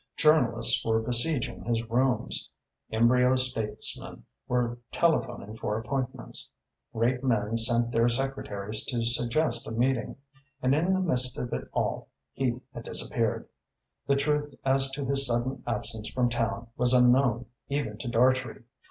Journalists were besieging his rooms. Embryo statesmen were telephoning for appointments. Great men sent their secretaries to suggest a meeting. And in the midst of it all he had disappeared. The truth as to his sudden absence from town was unknown even to Dartrey.